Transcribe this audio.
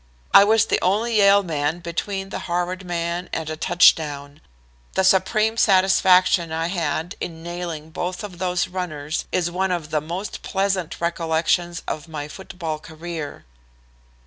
I was the only Yale man between the Harvard man and a touchdown. The supreme satisfaction I had in nailing both of those runners is one of the most pleasant recollections of my football career.